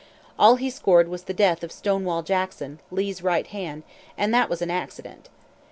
All he scored was the death of "Stonewall" Jackson, Lee's right hand, and that was an accident.